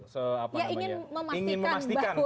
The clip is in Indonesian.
seapa namanya ya ingin memastikan